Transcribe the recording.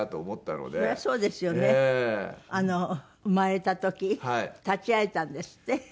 生まれた時立ち会えたんですって？